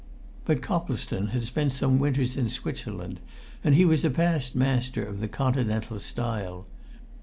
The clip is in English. But Coplestone had spent some winters in Switzerland, and he was a past master in the Continental style.